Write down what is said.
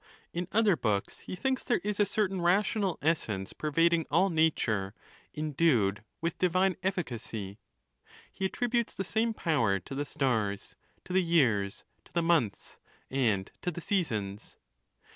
In other books he thinks there is a certain rational essence pervading all nat ure, indued with divine efficacy. He attributes the same power to the stars, to the years, to the months, and to the seasons.